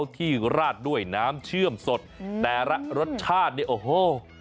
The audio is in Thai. สถิตย์ราดด้วยน้ำเชื่อมสดแต่ละรสชาตินี้โอ้โห